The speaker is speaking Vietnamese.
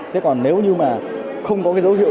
thế còn nếu như mà không có cái dấu hiệu